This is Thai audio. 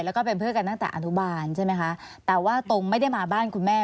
แล้วก็เป็นเพื่อนกันตั้งแต่อนุบาลใช่ไหมคะแต่ว่าตรงไม่ได้มาบ้านคุณแม่